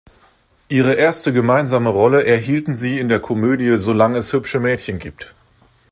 Ihre erste gemeinsame Rolle erhielten sie in der Komödie "Solang' es hübsche Mädchen gibt".